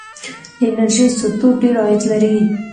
د انرژۍ سکتور ډیر عاید لري.